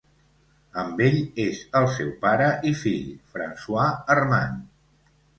Amb ell és el seu pare i fill, François Armand.